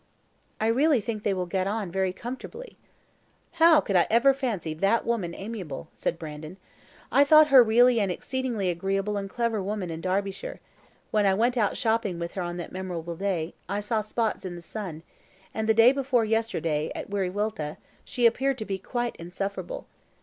"I really think they will get on very comfortably." "How could I ever fancy that woman amiable?" said Brandon. "I thought her really an exceedingly agreeable and clever woman in Derbyshire: when I went out shopping with her on that memorable day, I saw spots on the sun; and the day before yesterday, at Wiriwilta, she appeared to be quite insufferable.